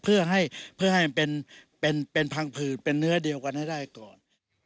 เพื่อให้มันเป็นพังผืดเป็นเนื้อเดียวกันให้ได้ก่อน